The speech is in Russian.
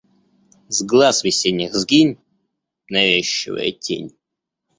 С глаз весенних сгинь, навязчивая тень!